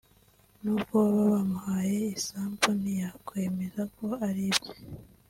nubwo baba bamuhaye isambu ntiyakwemeza ko ari ibye